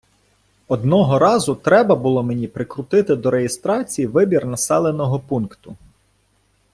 Одного разу треба було мені прикрутити до реєстрації вибір населеного пункту.